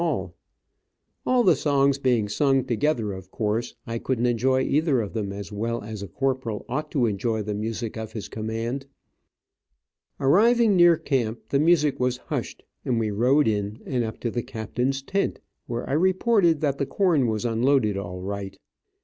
All the songs being sung together, of course I couldn't enjoy either of them as well as a Corporal ought to enjoy the music of his command. Arriving near camp, the music was hushed, and we rode in, and up to the captain's tent, where I reported that the corn was unloaded, all right.